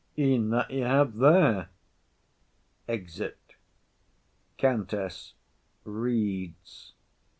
E'en that you have there. [Exit.] COUNTESS. [_Reads.